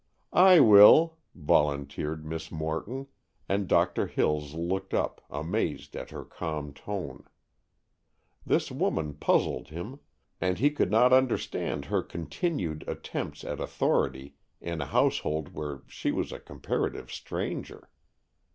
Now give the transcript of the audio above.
"I will," volunteered Miss Morton, and Doctor Hills looked up, amazed at her calm tone. This woman puzzled him, and he could not understand her continued attempts at authority in a household where she was a comparative stranger.